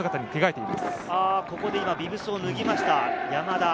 ビブスを脱ぎました、山田。